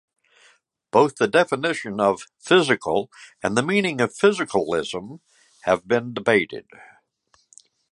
Both the definition of "physical" and the meaning of physicalism have been debated.